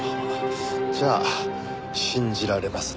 じゃあ信じられますね。